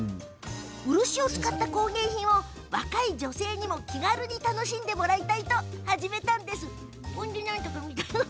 漆を使った工芸品を若い女性にも気軽に楽しんでもらいたいと始めたんです。